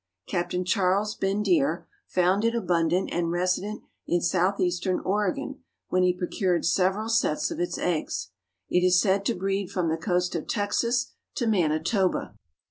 Captain Charles Bendire found it abundant and resident in Southeastern Oregon when he procured several sets of its eggs. It is said to breed from the coast of Texas to Manitoba.